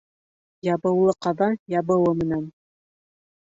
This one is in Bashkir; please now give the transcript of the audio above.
Ябыулы ҡаҙан ябыуы менән.